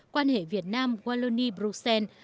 quan hệ việt nam wallonie bruxelles